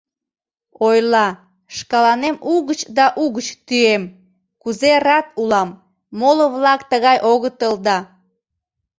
Ойла, шкаланем угыч да угыч тӱем, кузе рат улам, моло-влак тыгай огытыл да.